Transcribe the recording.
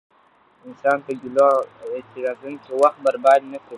انسان په ګيلو او اعتراضونو کې وخت برباد نه کړي.